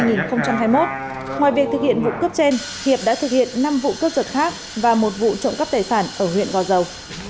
ngoài việc thực hiện vụ cướp trên hiệp đã thực hiện năm vụ cướp giật khác và một vụ trộm cắp tài sản ở huyện gò dầu